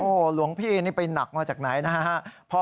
โอ้โหหลวงพี่นี่ไปหนักมาจากไหนนะฮะ